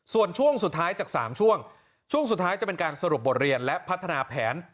ส่วนช่วงสุดท้ายจาก๓ช่วงช่วงสุดท้ายจะเป็นการสรุปบทเรียนและพัฒนาแผน